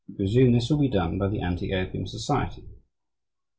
We presume this will be done by the Anti Opium Society."